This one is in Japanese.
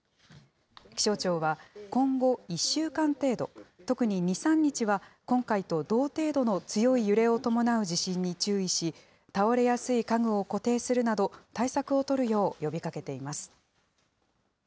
気象庁は、今後１週間程度、特に２、３日は、今回と同程度の強い揺れを伴う地震に注意し、倒れやすい家具を固定するなど、対策を取るよう呼びかけています。